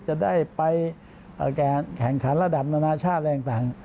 จะได้ไปแข่งขันระดับนานาชาติอะไรต่าง